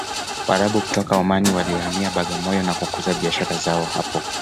waarabu kutoka omani walihamia bagamoyo na kukuza biashara zao hapo